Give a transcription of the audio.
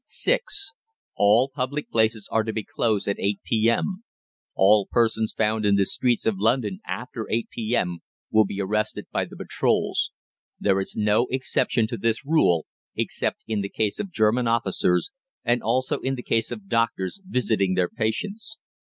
(6) ALL PUBLIC PLACES are to be closed at 8 P.M. All persons found in the streets of London after 8 P.M. will be arrested by the patrols. There is no exception to this rule except in the case of German Officers, and also in the case of doctors visiting their patients.